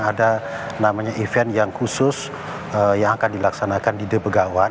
ada namanya event yang khusus yang akan dilaksanakan di the begawan